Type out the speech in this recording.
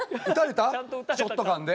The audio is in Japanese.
ショットガンで。